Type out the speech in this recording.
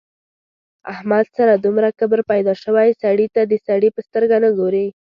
احمد سره دومره کبر پیدا شوی سړي ته د سړي په سترګه نه ګوري.